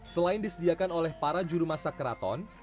selain disediakan oleh para juru masak keraton